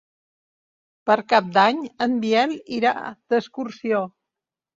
Per Cap d'Any en Biel irà d'excursió.